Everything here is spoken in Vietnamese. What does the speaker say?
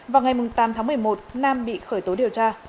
vào ngày tám tháng một mươi một nam bị khởi tố điều tra